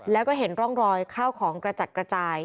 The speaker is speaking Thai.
แล้วก็เห็นร่องรอยข้าวของกระจัดกระจาย